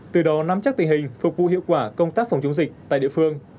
từ đó nắm chắc tình hình phục vụ hiệu quả công tác phòng chống dịch tại địa phương